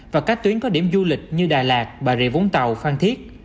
và các tuyến có điểm du lịch như đà lạt bà rịa vũng tàu phan thiết